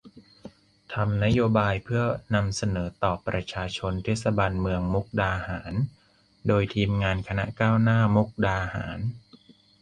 ทำนโยบายเพื่อนำเสนอต่อประชาชนเทศบาลเมืองมุกดาหาร โดยทีมงานคณะก้าวหน้ามุกดาหาร